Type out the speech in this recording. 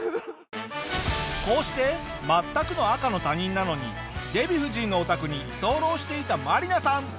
こうして全くの赤の他人なのにデヴィ夫人のお宅に居候していたマリナさん。